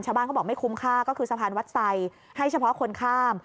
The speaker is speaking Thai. เขาบอกไม่คุ้มค่าก็คือสะพานวัดไซดให้เฉพาะคนข้าม